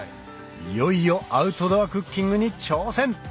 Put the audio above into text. いよいよアウトドアクッキングに挑戦！